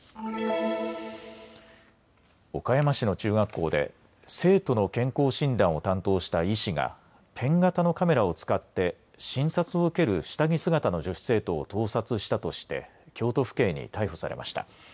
岡山市の中学校で生徒の健康診断を担当した医師がペン型のカメラを使って診察を受ける下着姿の女子生徒を盗撮したとして京都府警に逮捕されました。